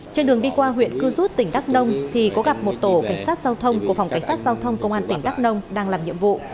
trên đường đi qua huyện cư rút tỉnh đắk nông thì có gặp một tổ cảnh sát giao thông của phòng cảnh sát giao thông công an tỉnh đắk nông đang làm nhiệm vụ